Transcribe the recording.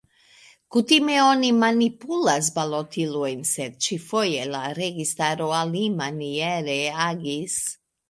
Kutime oni manipulas balotilojn sed ĉi-foje la registaro alimaniere agis.